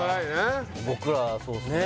僕らはそうですねねえ